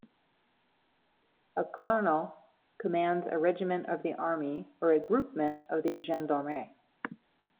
A "colonel" commands a regiment of the army or a "groupement" of the Gendarmerie.